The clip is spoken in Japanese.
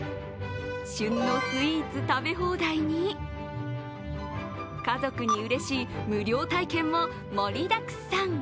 旬のスイーツ食べ放題に家族にうれしい無料体験も盛りだくさん。